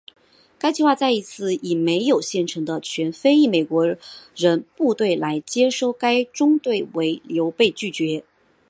该计划再一次以没有现成的全非裔美国人部队来接收该中队为由被拒绝。